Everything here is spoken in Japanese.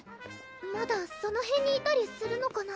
まだその辺にいたりするのかな？